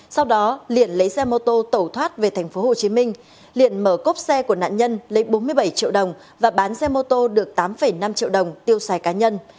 sau đó liền lấy xe mô tô tẩu thoát về tp hcm liền mở cốp xe của nạn nhân lấy bốn mươi bảy triệu đồng và bán xe mô tô được tám năm triệu đồng tiêu xài cá nhân